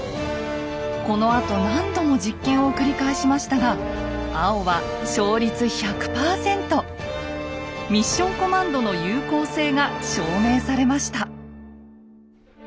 このあと何度も実験を繰り返しましたが青はミッション・コマンドの有効性が証明されました。